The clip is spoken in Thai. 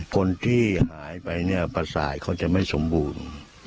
คนที่หายไปเนี่ยประสาทเขาจะไม่สมบูรณ์